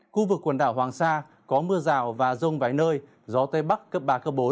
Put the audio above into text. khu vực quần đảo hoàng sa có mưa rào và rông vài nơi gió tây bắc cấp ba bốn